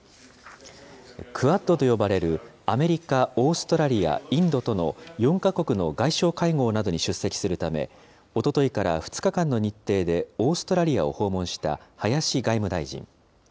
クアッドと呼ばれるアメリカ、オーストラリア、インドとの４か国の外相会合などに出席するため、おとといから２日間の日程でオーストラリアを訪問した林外務大臣。